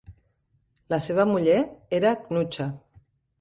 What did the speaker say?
La seva muller era Cnucha.